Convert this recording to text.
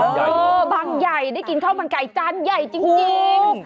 เฮ่ยบังใหญ่เหรอบังใหญ่ได้กินข้าวมันไก่จานใหญ่จริง